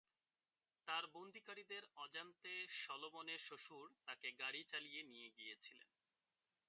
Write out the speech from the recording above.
তার বন্দিকারীদের অজান্তে, শলোমনের শ্বশুর তাকে গাড়ি চালিয়ে নিয়ে গিয়েছিলেন।